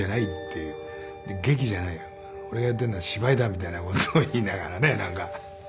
で「劇じゃない！俺がやってるのは芝居だ」みたいなことを言いながらねなんか。